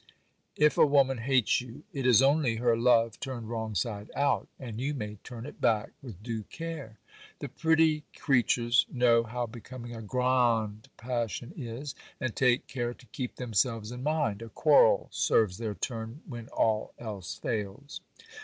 If a woman hates you it is only her love turned wrong side out, and you may turn it back with due care. The pretty creatures know how becoming a grande passion is, and take care to keep themselves in mind; a quarrel serves their turn when all else fails.